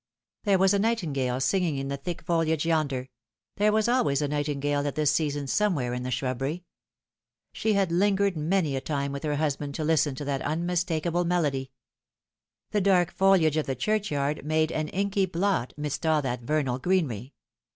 There was a nightingale singing in the thick foliage yonder there was always a nightingale at this season somewhere in the shrubbery. She had lingered many a time with her husband to listen to that unmistakable melody. The dark foliage of the churchyard made an inky blot midst all that vernal greenery.